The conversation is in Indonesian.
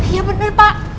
iya bener pak